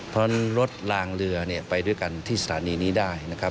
เพราะฉะนั้นรถลางเรือไปด้วยกันที่สถานีนี้ได้นะครับ